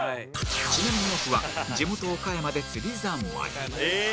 ちなみにオフは地元岡山で釣りざんまい